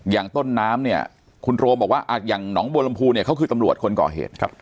อย่างต้นน้ำเนี่ยคุณโรมบอกว่าอย่างหนองบัวลำพูเนี่ยเขาคือตำรวจคนก่อเหตุ